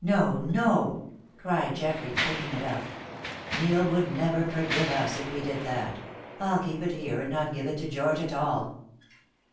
"No, no," cried Geoffrey, picking it up. "Neil would never forgive us if we did that. I'll keep it here and not give it to George at all."